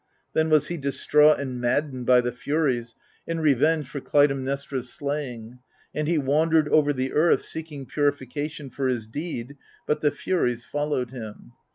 Then was he distraught and maddened by the Furies, in revenge for Clytemnestra's slaying : and he wandered over the earth, seeking purification for his deed, but the Furies followed him.